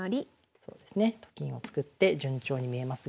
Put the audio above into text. そうですね。と金を作って順調に見えますが。